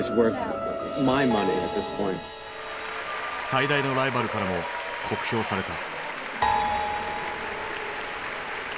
最大のライバルからも酷評された。